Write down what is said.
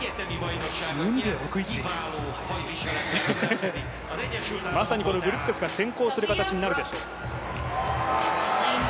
１２秒６１、まさにブルックスが先行する形になるでしょう。